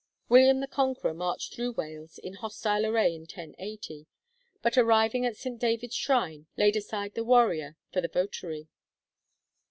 William the Conqueror marched through Wales in hostile array in 1080, but arriving at St. David's shrine laid aside the warrior for the votary.